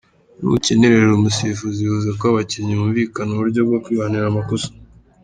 Ntukenerera umusifuzi, bivuze ko abakinnyi bumvikana uburyo bwo kwihanira amakosa.